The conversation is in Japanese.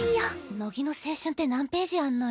乃木の青春って何ページあんのよ。